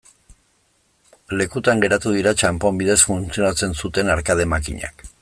Lekutan geratu dira txanpon bidez funtzionatzen zuten arkade makinak.